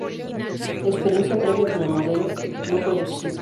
Experiencia previa como modelo, no fue requisito.